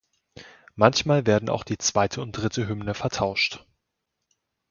Manchmal werden auch die zweite und dritte Hymne vertauscht.